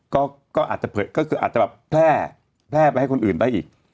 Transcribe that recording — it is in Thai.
ก็อาจจะแบบแพร่แพร่ไปให้คนอื่นได้อีก